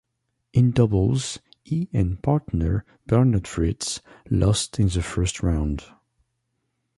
In doubles he and partner Bernard Fritz lost in the first round.